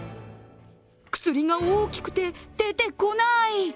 薬が大きくて、出てこない。